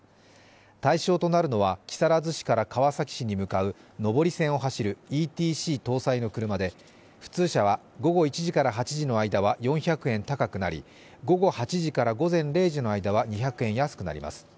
対象となるのは木更津市から川崎市に向かう上り線を走るＥＴＣ搭載の車で普通車は午後１時から８時の間は４００円高くなり、午後８時から午前０時の間は２００円安くなります。